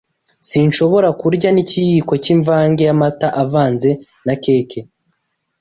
Sinshobora kurya n’ikiyiko cy’imvange y’amata avanze na keke